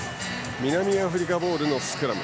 南アフリカボールのスクラム。